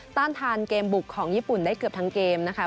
ต้านทานเกมบุกของญี่ปุ่นได้เกือบทั้งเกมนะคะ